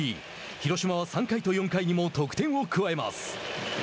広島は３回と４回にも得点を加えます。